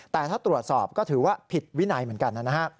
แต่ถ้าตรวจสอบก็ถือว่าผิดวินัยเหมือนกันนะฮะ